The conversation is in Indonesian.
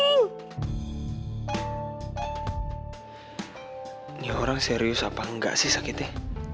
ini orang serius apa enggak sih sakitnya